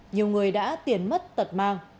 nhiều người đã tiến mất tật mang